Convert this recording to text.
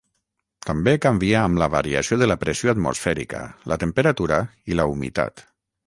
També canvia amb la variació de la pressió atmosfèrica, la temperatura i la humitat.